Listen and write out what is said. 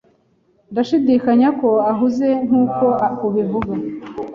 Ndashidikanya ko uhuze nkuko ubivuga.